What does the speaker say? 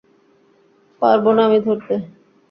পারব না আমি ধরতে।